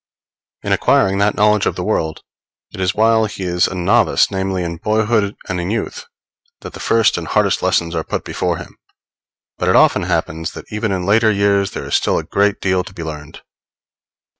In acquiring that knowledge of the world, it is while he is a novice, namely, in boyhood and in youth, that the first and hardest lessons are put before him; but it often happens that even in later years there is still a great deal to be learned.